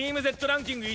ランキング